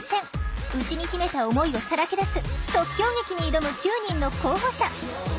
内に秘めた思いをさらけ出す即興劇に挑む９人の候補者。